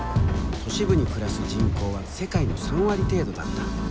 都市部に暮らす人口は世界の３割程度だった。